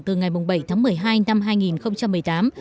từ ngày bảy tháng một mươi hai năm hai nghìn một mươi tám